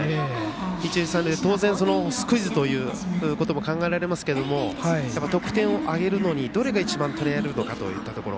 一塁三塁で、スクイズも考えられますけども得点を挙げるのにどれが一番取れるのかといったところ。